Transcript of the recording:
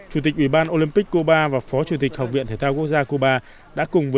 chủ tịch ủy ban olympic cuba và phó chủ tịch học viện thể thao quốc gia cuba